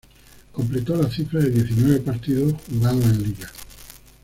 Completó la cifra de diecinueve partidos jugados en liga.